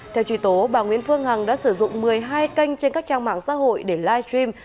theo truy tố bà nguyễn phương hằng đã sử dụng một mươi hai kênh trên các trang mạng xã hội để live stream